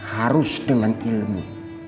harus dengan ilmu